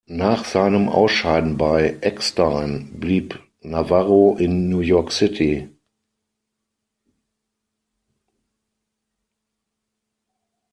Nach seinem Ausscheiden bei Eckstine blieb Navarro in New York City.